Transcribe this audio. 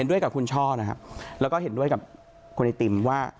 ด้วยกับคุณช่อนะครับแล้วก็เห็นด้วยกับคุณไอติมว่า